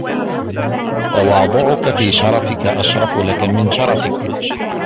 تَوَاضُعُك فِي شَرَفِك أَشْرَفُ لَك مِنْ شَرَفِك